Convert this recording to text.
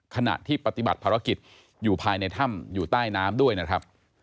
ขณะที่ปฏิบัติภารกิจอยู่ภายในถ้ำอยู่ใต้น้ำด้วยนะครับ